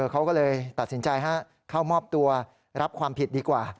เขาก็เลยตัดสินใจเข้ามอบตัวรับความผิดดีกว่า